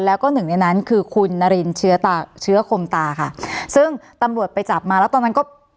แล้วก็หนึ่งในนั้นคือคุณนารินเชื้อตาเชื้อเชื้อคมตาค่ะซึ่งตำรวจไปจับมาแล้วตอนนั้นก็